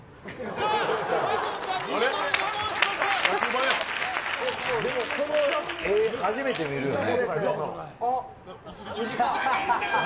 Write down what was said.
さあ、初めて見るよね。